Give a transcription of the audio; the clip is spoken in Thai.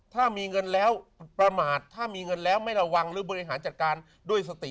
ถ้ามีเงินแล้วประมาทถ้ามีเงินแล้วไม่ระวังหรือบริหารจัดการด้วยสติ